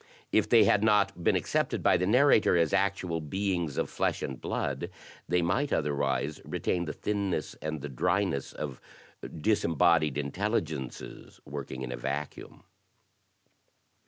If they had not been accepted by the narrator as actual beings of flesh and blood, they might otherwise retain the thinness and the dryness of disembodied intel ligences working in a vacuum.